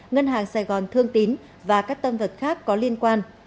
ngân hàng sài gòn thương tín và các tâm vật khác có liên quan